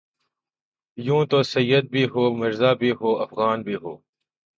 یوں تو سید بھی ہو مرزابھی ہوافغان بھی ہو